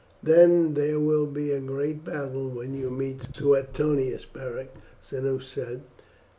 "Then there will be a great battle when you meet Suetonius, Beric," Cneius said.